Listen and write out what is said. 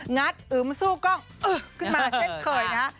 งัดอึมซู่กล้องอึ๊บขึ้นมาเช็ดเคยนะ